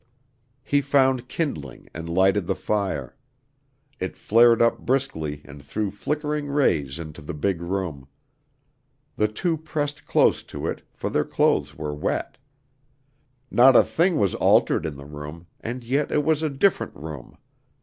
He found kindling and lighted the fire. It flared up briskly and threw flickering rays into the big room. The two pressed close to it, for their clothes were wet. Not a thing was altered in the room and yet it was a different room.